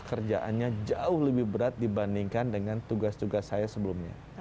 kerjaannya jauh lebih berat dibandingkan dengan tugas tugas saya sebelumnya